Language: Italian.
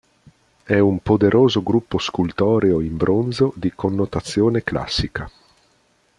È un poderoso gruppo scultoreo in bronzo di connotazione classica.